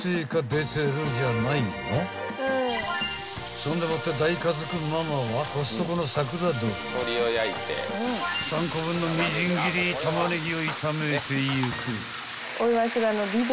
［そんでもって大家族ママはコストコのさくらどり３個分のみじん切りたまねぎを炒めていく］